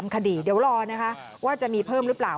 คดีเดี๋ยวรอนะคะว่าจะมีเพิ่มหรือเปล่า